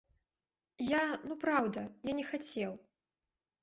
Я, ну, праўда, я не хацеў.